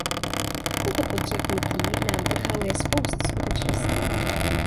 Toto podřeknutí nám odhaluje spoustu skutečností.